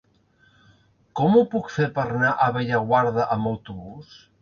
Com ho puc fer per anar a Bellaguarda amb autobús?